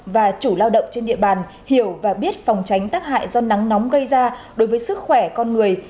và chủ lao động trên địa bàn hiểu và biết phòng tránh tác hại do nắng nóng gây ra đối với sức khỏe con người